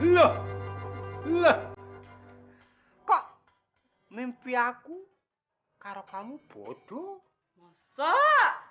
loh loh kok mimpi aku kalau kamu bodoh masa iya hahaha